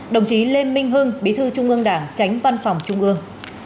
đồng chí lê minh hưng bí thư trung ương đảng tránh văn phòng trung ương